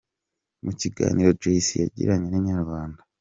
Mu kiganiro Jay C yagiranye n’Inyarwanda.